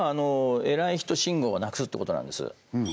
偉い人信号をなくすってことなんです